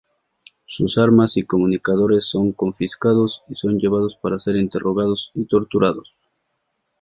Sus armas y comunicadores son confiscados y son llevados para ser interrogados y torturados.